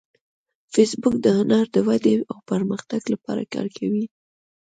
فېسبوک د هنر د ودې او پرمختګ لپاره کار کوي